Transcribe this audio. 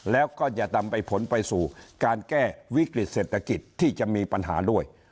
แล้วก็จะนำไปผลไปสู่การแก้วิกฤติเศรษฐกิจที่จะมีปัญหาด้วย